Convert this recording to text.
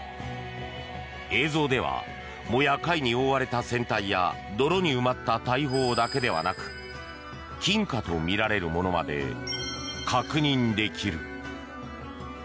映像では藻や貝に覆われた船体や泥に埋まった大砲だけではなく金貨とみられるものまで確認できる。